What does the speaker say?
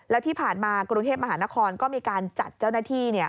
แล้วที่ผ่านมากรุงเทพมหานครก็มีการจัดเจ้าหน้าที่